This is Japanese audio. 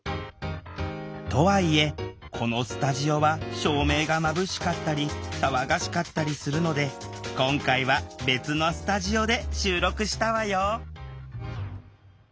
とはいえこのスタジオは照明がまぶしかったり騒がしかったりするので今回は別のスタジオで収録したわよ